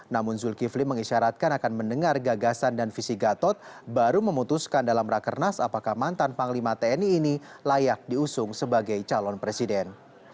namun zulkifli mengisyaratkan akan mendengar gagasan dan visi gatot baru memutuskan dalam rakernas apakah mantan panglima tni ini layak diusung sebagai calon presiden